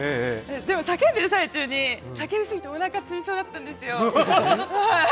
叫んでいる最中、叫び過ぎておなかつりそうになったんですよ。